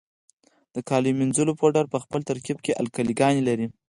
د کالیو منیځلو پوډر په خپل ترکیب کې القلي ګانې لري.